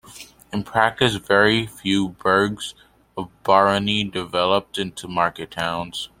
In practice very few burghs of barony developed into market towns.